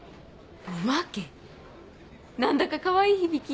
おまけ何だかかわいい響き。